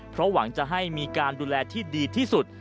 เพราะหวังจะให้มีการดูแลที่ดีที่สุด